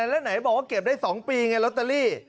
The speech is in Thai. แล้วไหนบอกว่าเก็บได้๒ปีไงลอตเตอรี่